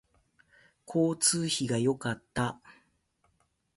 交通費が良かった